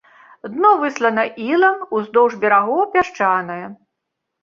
Дно выслана ілам, уздоўж берагоў пясчанае.